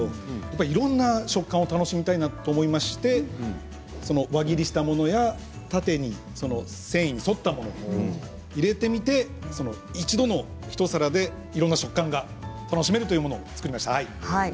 いろんな食感を楽しみたいなと思いまして輪切りしたものや縦に繊維に沿ったもの入れてみて一度の一皿でいろんな食感が楽しめるというものを作りました。